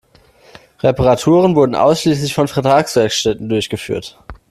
Reparaturen wurden ausschließlich von Vertragswerkstätten durchgeführt.